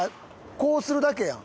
こうするだけやん。